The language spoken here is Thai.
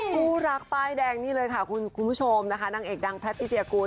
คู่รักป้ายแดงนี่เลยค่ะคุณผู้ชมนะคะนางเอกดังแพทติเจียกูล